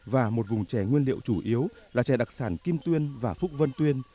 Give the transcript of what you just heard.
và một vùng trẻ nguyên liệu chủ yếu là trẻ đặc sản kim tuyên và phúc vân tuyên